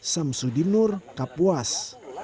sam sudinur kapuas